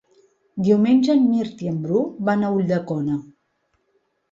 Diumenge en Mirt i en Bru van a Ulldecona.